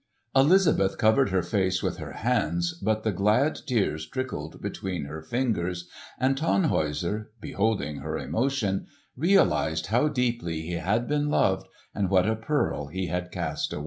'" Elizabeth covered her face with her hands, but the glad tears trickled between her fingers; and Tannhäuser, beholding her emotion, realised how deeply he had been loved and what a pearl he had cast away.